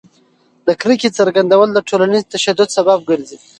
د کرکې څرګندول د ټولنیز تشدد سبب ګرځي.